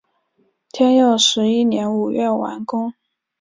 天佑十一年五月完工。